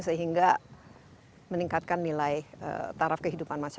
sehingga meningkatkan nilai taraf kehidupan masyarakat